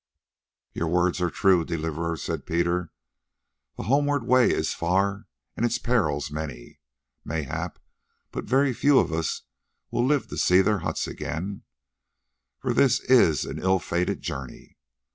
"Your words are true, Deliverer," said Peter, "the homeward way is far and its perils are many; mayhap but very few of us will live to see their huts again, for this is an ill fated journey.